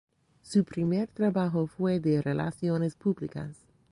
Su primer trabajo fue de relaciones públicas.